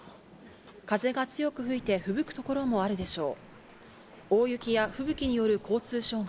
風が強く吹いてふぶく所もあるでしょう。